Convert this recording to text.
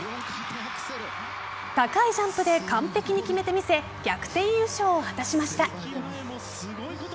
高いジャンプで完璧に決めてみせ逆転優勝を果たしました。